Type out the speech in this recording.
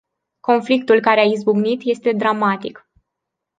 Conflictul care a izbucnit este dramatic.